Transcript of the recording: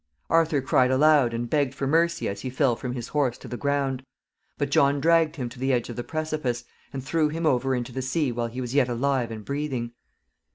Arthur cried aloud, and begged for mercy as he fell from his horse to the ground; but John dragged him to the edge of the precipice, and threw him over into the sea while he was yet alive and breathing.